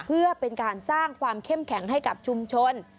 เพื่อเป็นการสร้างความเข้มแข็งให้กับชุมชน